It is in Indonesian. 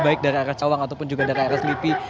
baik dari arah cawang ataupun juga dari arah selipi